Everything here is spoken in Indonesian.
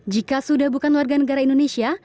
jika sudah bukan warganegara indonesia